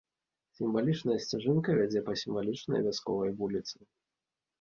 Сімвалічная сцяжынка вядзе па сімвалічнай вясковай вуліцы.